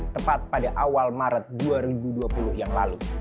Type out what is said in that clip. tepat pada awal maret dua ribu dua puluh yang lalu